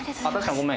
ごめん。